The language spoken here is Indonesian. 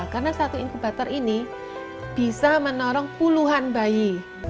karena satu inkubator ini bisa menorong puluhan bayi